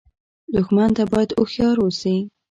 دښمن ته باید هوښیار اوسې